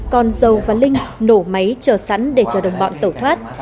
còn dầu và linh nổ máy chờ sẵn để chờ đồng bọn tẩu thoát